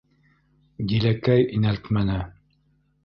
Диләкәй инәлтмәне.